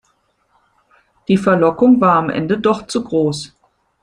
Die Verlockung war am Ende doch zu groß.